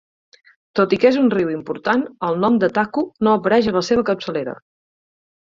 Tot i que és un riu important, el nom de Taku no apareix a la seva capçalera.